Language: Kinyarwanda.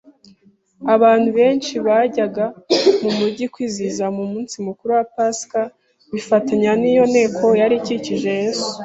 Abantu benshi bajyaga mu mujyi kwizihiza umunsi mukuru wa Pasika bifatanya n'iyo nteko yari ikikije Yesu